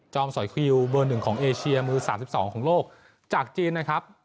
จอมสอยควีวเบอร์๑ของเอเชียมือ๓๒ของโลกจากจีน